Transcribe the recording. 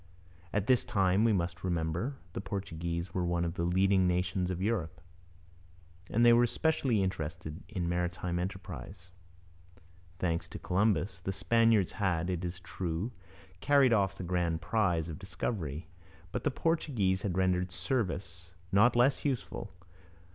At this time, we must remember, the Portuguese were one of the leading nations of Europe, and they were specially interested in maritime enterprise. Thanks to Columbus, the Spaniards had, it is true, carried off the grand prize of discovery. But the Portuguese had rendered service not less useful.